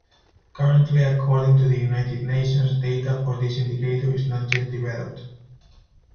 Currently according to the United Nations data for this indicator is not yet developed.